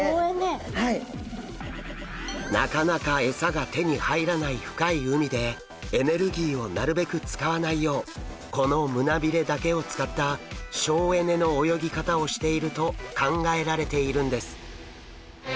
なかなかエサが手に入らない深い海でエネルギーをなるべく使わないようこの胸びれだけを使った省エネの泳ぎ方をしていると考えられているんです。